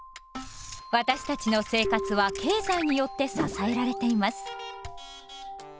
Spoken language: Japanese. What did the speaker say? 私たちの生活は経済によって支えられています。